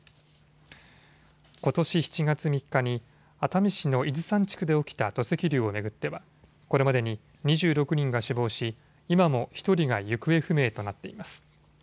ことし７月３日に熱海市の伊豆山地区で起きた土石流を巡ってはこれまでに２６人が死亡し、今も１人が行方不明となっています。